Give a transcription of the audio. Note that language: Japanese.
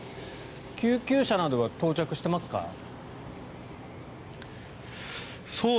救急車などは到着していますか？